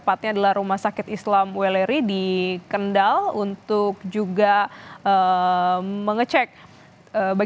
satu kondektor ini masih terjepit di dalam bus begitu ya